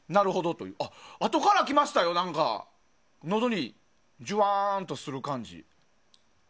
あとからきましたよ、何かがのどにジュワーンとする感じ。